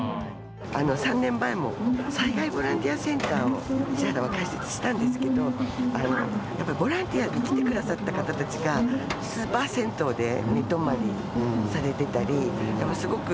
３年前も災害ボランティアセンターを市原は開設したんですけどやっぱりボランティアに来て下さった方たちがスーパー銭湯で寝泊まりされてたりすごくお気の毒で。